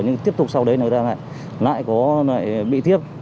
nhưng tiếp tục sau đấy lại bị thiếp